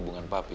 tapi jangan lupa